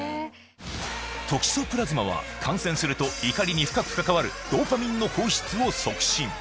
トキソプラズマは感染すると怒りに深く関わるドーパミンの放出を促進